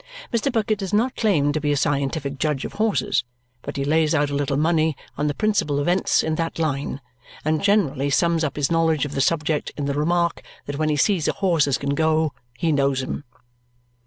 Mr. Bucket does not claim to be a scientific judge of horses, but he lays out a little money on the principal events in that line, and generally sums up his knowledge of the subject in the remark that when he sees a horse as can go, he knows him.